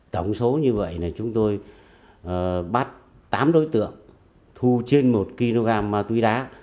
tổng số như vậy là chúng tôi bắt tám đối tượng thu trên một kg ma túy đá